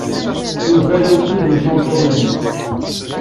Yuba la yessudun tameṭṭut-nnes.